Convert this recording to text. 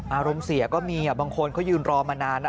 อารมณ์เสียก็มีบางคนเขายืนรอมานาน